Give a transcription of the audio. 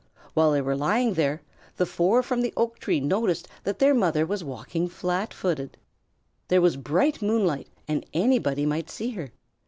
While they were lying there, the four from the oak tree noticed that their mother was walking flat footed. There was bright moonlight and anybody might see her.